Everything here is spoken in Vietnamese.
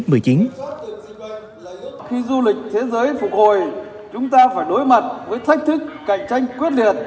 khi du lịch thế giới phục hồi chúng ta phải đối mặt với thách thức cạnh tranh quyết liệt